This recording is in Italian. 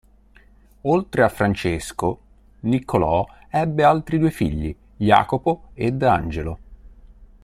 Oltre a Francesco, Niccolò ebbe altri due figli, Jacopo ed Angelo.